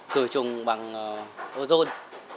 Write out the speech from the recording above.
cửa chùng bằng ozone